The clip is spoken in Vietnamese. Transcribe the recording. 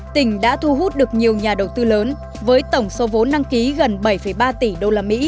tỉnh đã thu hút được nhiều nhà đầu tư lớn với tổng số vốn đăng ký gần bảy ba tỷ usd